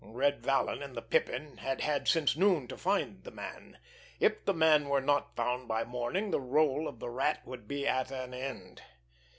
Red Vallon and the Pippin had had since noon to find the man. If the man were not found by morning the rôle of the Rat would be at an end.